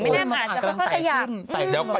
ไม่น่ามาจากวัดตายขึ้น